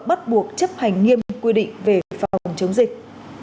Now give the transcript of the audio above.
bắt buộc chấp hành nghiêm quy định về phòng chống dịch